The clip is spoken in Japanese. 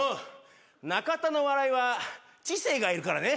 中田の笑いは知性がいるからね。